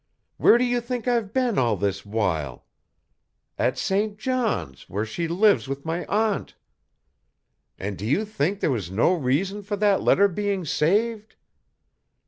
Where do you think I've been all this while? At St. John's, where she lives with my aunt. And do you think there was no reason for that letter being saved?